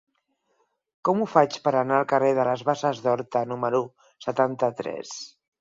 Com ho faig per anar al carrer de les Basses d'Horta número setanta-tres?